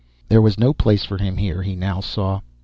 There was no place for him here, he now saw.